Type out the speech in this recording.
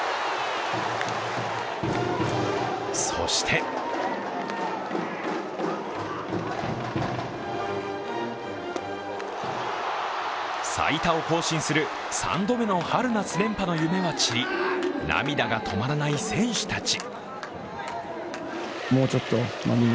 そして最多を更新する３度目の春夏連覇の夢は散り涙が止まらない選手たち。